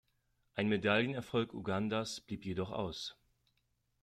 Ein Medaillenerfolg Ugandas blieb jedoch aus.